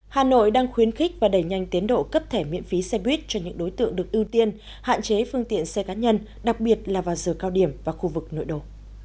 hà nội đang khuyến khích và đẩy nhanh tiến độ cấp thẻ miễn phí xe buýt cho những đối tượng được ưu tiên hạn chế phương tiện xe cá nhân đặc biệt là vào giờ cao điểm và khu vực nội đồ